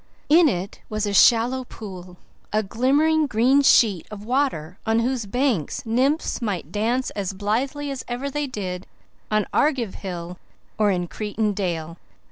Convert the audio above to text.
In it was a shallow pool a glimmering green sheet of water on whose banks nymphs might dance as blithely as ever they did on Argive hill or in Cretan dale.